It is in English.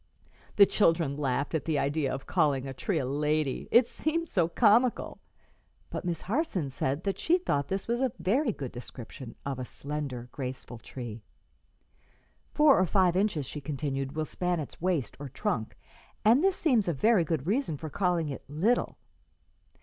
'" The children laughed at the idea of calling a tree a lady, it seemed so comical; but Miss Harson said that she thought this was a very good description of a slender, graceful tree. [Illustration: WHITE BIRCH LEAF.] "Four or five inches," she continued, "will span its waist, or trunk, and this seems a very good reason for calling it little.